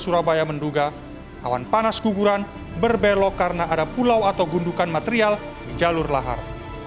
surabaya menduga awan panas guguran berbelok karena ada pulau atau gundukan material di jalur lahar